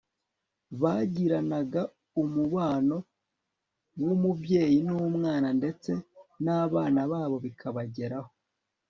bagiranaga umubano w'umubyeyi n'umwana, ndetse n'abana babo bikabageraho